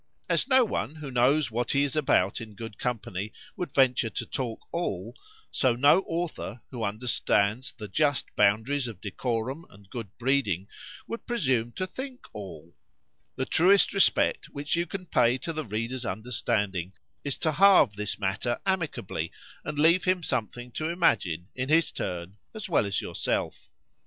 As no one, who knows what he is about in good company, would venture to talk all;——so no author, who understands the just boundaries of decorum and good breeding, would presume to think all: The truest respect which you can pay to the reader's understanding, is to halve this matter amicably, and leave him something to imagine, in his turn, as well as yourself.